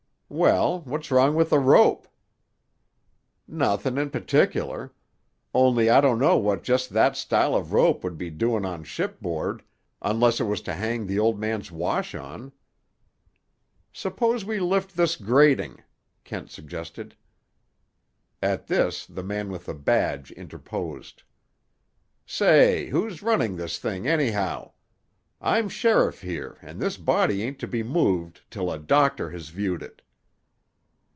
"Well, what's wrong with the rope?" "Nothin' in pertic'ler. Only, I don't know what just that style of rope would be doin' on shipboard, unless it was to hang the old man's wash on." "Suppose we lift this grating," Kent suggested. At this the man with the badge interposed. "Say, who's runnin' this thing, anyhow? I'm sheriff here, an' this body ain't to be moved till a doctor has viewed it."